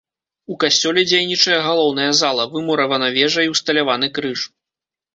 У касцёле дзейнічае галоўная зала, вымуравана вежа і ўсталяваны крыж.